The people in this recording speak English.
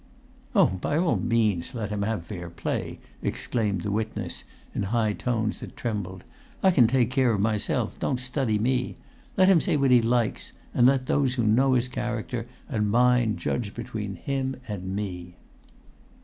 "Oh, by all means let him have fair play!" exclaimed the witness, in high tones that trembled. "I can take care of myself; don't study me. Let him say what he likes, and let those who know his character and mine judge between him and me."